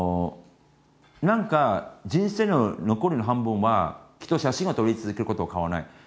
何か人生の残りの半分はきっと写真を撮り続けることは変わらない。